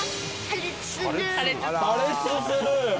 破裂する？